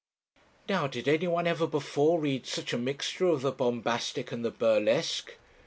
'Now, did anyone ever before read such a mixture of the bombastic and the burlesque?